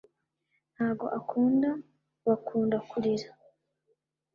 ntago akunda bakunda kurira